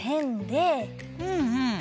うんうん。